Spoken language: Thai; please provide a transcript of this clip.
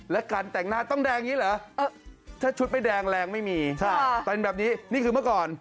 และการแต่งหน้าต้องแดงอย่างนี้เหรอถ้าชุดไม่แดงแรงไม่มีเป็นแบบนี้นี่คือเมื่อก่อน